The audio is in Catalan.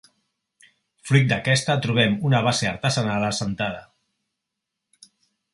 Fruit d'aquesta trobem una base artesanal assentada.